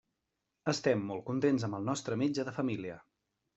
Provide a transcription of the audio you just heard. Estem molt contents amb el nostre metge de família.